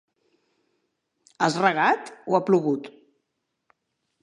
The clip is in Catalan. Has regat o ha plogut?